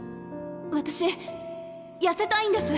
私やせたいんです！